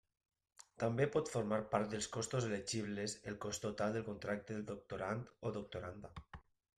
També pot formar part dels costos elegibles el cost total del contracte del doctorand o doctoranda.